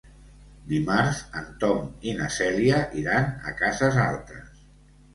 Dimarts en Tom i na Cèlia iran a Cases Altes.